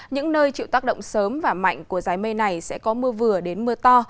những nơi chịu tác động sớm và mạnh của giái mê này sẽ có mưa vừa đến mưa to